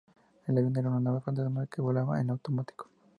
El avión era una nave fantasma que volaba en automático.